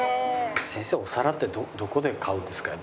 先生お皿ってどこで買うんですか？